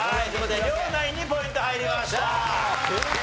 両ナインにポイント入りました。